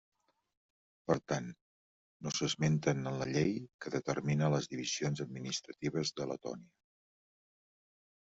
Per tant, no s'esmenten en la llei que determina les divisions administratives de Letònia.